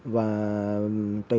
và đất đá xạc lỡ